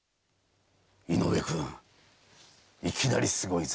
井上くんいきなりすごいぞ。